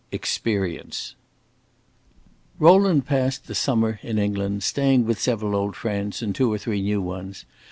Experience Rowland passed the summer in England, staying with several old friends and two or three new ones.